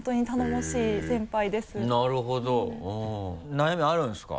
悩みあるんですか？